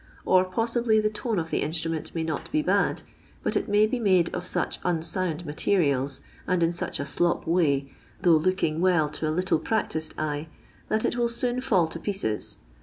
Or poatibly the tone of the in«tniment may not bo bad, bat it may be made of inch unsound materials, and in such a slop war, though looking well to a little practised eye, that it will soon fieUl to pieces.